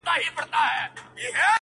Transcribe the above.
• خامخا یې کر د قناعت ثمر را وړی دی..